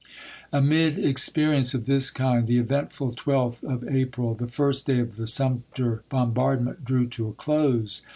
Amid experience of this kind the eventful 12th of April, the first day of the Sumter bombardment, drew to a close.